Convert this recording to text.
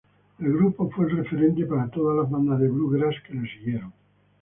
El grupo fue el referente para todas las bandas de bluegrass que les siguieron.